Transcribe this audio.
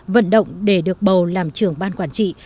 vận động để được bầu làm trưởng ban quản trị